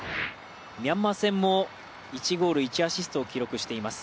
ミャンマー戦も１ゴール１アシストを記録しています。